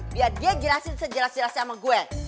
biar dia jelasin sejelas jelasnya sama gue